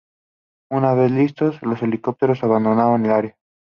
Una vez listos, los helicópteros abandonaron el área.